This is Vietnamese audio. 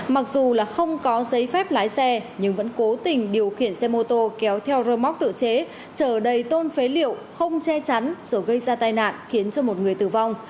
mặc dù là không có giấy phép lái xe nhưng vẫn cố tình điều khiển xe mô tô kéo theo rơ móc tự chế trở đầy tôn phế liệu không che chắn rồi gây ra tai nạn khiến cho một người tử vong